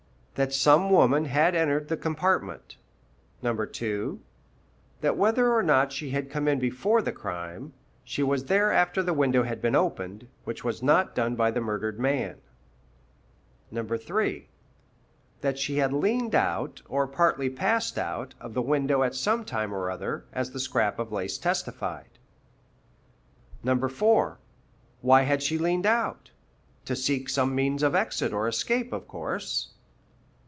That some woman had entered the compartment. 2. That whether or not she had come in before the crime, she was there after the window had been opened, which was not done by the murdered man. 3. That she had leaned out, or partly passed out, of the window at some time or other, as the scrap of lace testified. 4. Why had she leaned out? To seek some means of exit or escape, of course.